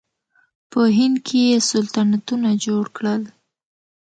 په هند کې یې سلطنتونه جوړ کړل.